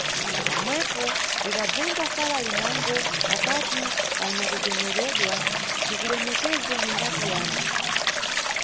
Pamwepo – lidabvunza fala linango pakati pa anyakucemeredwa – Tikulemekeze ningati yani?